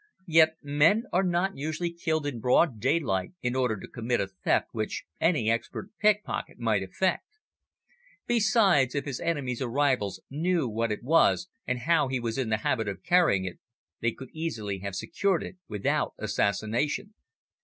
Yet men are not usually killed in broad daylight in order to commit a theft which any expert pickpocket might effect. Besides, if his enemies or rivals knew what it was and how he was in the habit of carrying it, they could easily have secured it without assassination."